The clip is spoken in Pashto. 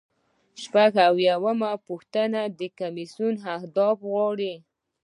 شپږ اتیا یمه پوښتنه د کمیسیون اهداف غواړي.